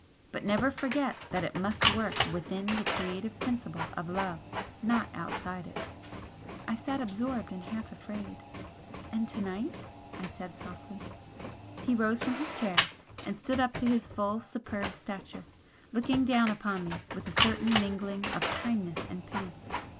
But never forget that it must work WITHIN the Creative Principle of Love not outside it." I sat absorbed and half afraid. "And to night ?" I said, softly. He rose from his chair and stood up to his full superb stature, looking down upon me with a certain mingling of kindness and pity.